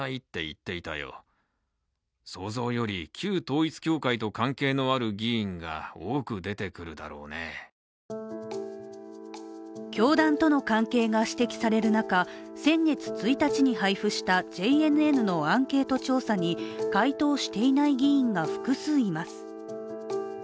自民党関係者からは教団との関係が指摘される中、先月１日に配布したＪＮＮのアンケート調査に回答していない議員が複数います。